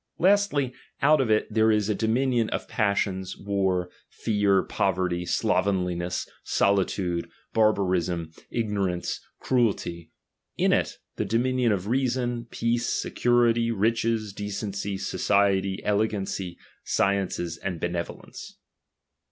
Lastly, out of it, there is a dominion of passions, war, fear, poverty, slovenliness, solitude, barbarism, ignorance, cruelty ; in it, the dominion of reason, peace, security, riches, decency, society, elegancy, sciences, aud benevolence.